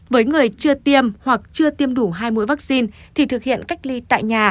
với người chưa tiêm hoặc chưa tiêm đủ hai mũi vaccine thì thực hiện cách ly tại nhà